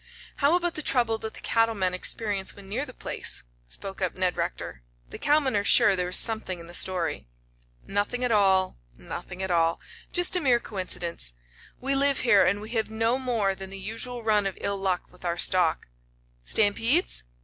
"How about the trouble that the cattle men experience when near the place?" spoke up Ned Rector. "The cowmen are sure there is something in the story." "Nothing at all nothing at all. Just a mere coincidence. We live here and we have no more than the usual run of ill luck with our stock." "Stampedes?"